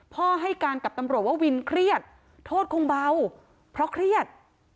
ให้การกับตำรวจว่าวินเครียดโทษคงเบาเพราะเครียด